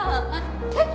えっ？